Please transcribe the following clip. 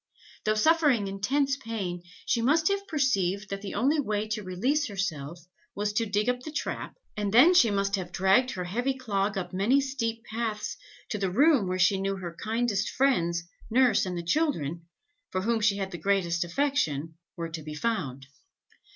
Though suffering intense pain, she must have perceived that the only way to release herself, was to dig up the trap, and then she must have dragged her heavy clog up many steep paths to the room where she knew her kindest friends, nurse and the children, for whom she had the greatest affection, were to be found.